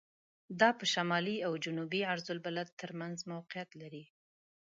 دا په شمالي او جنوبي عرض البلد تر منځ موقعیت لري.